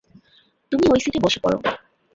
তুমি ওই সিটে বসে পারো।